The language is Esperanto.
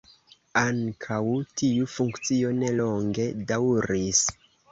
Ankaŭ tiu funkcio ne longe daŭris.